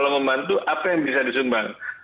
kalau membantu apa yang bisa disumbang